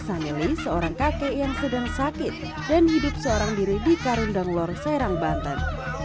samili seorang kakek yang sedang sakit dan hidup seorang diri di karundang lor serang banten